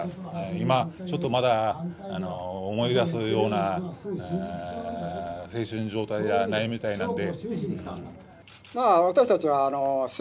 今ちょっとまだ思い出すような精神状態じゃないみたいなんで。